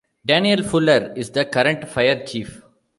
Daniel Fuller is the current fire chief.